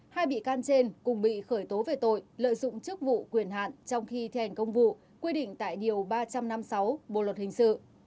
hai bị can trên cùng bị khởi tố về tội lợi dụng chức vụ quyền hạn trong khi thi hành công vụ quy định tại điều ba trăm năm mươi sáu bộ luật hình sự